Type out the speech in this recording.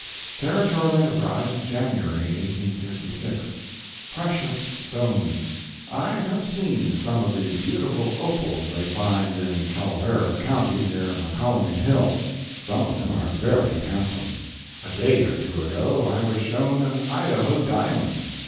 Territorial Enterprise, January 1866 PRECIOUS STONES I have seen some of the beautiful opals they find in Calaveras county near Mokelumne Hill. Some of them are very handsome. A day or two ago I was shown an Idaho diamond.